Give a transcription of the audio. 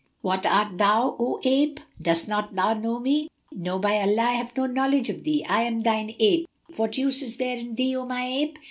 What art thou, O ape?" "Dost thou not know me?" "No, by Allah, I have no knowledge of thee!" "I am thine ape!" "What use is there in thee, O my ape?"